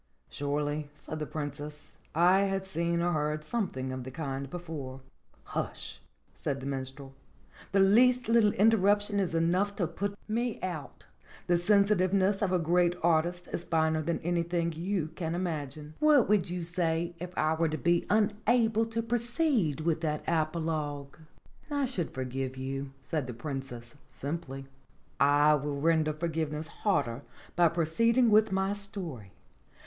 "Surely," said the Princess, "I have seen or read something of the kind before." "Hush !" said the Minstrel. "The least little inter ruption is enough to put me out. The sensitiveness of a great artist is finer than anything you can imagine. What would you say if I were to be unable to proceed with that apologue ?" "I should forgive you," said the Princess simply. "I will render forgiveness harder by proceeding with my story.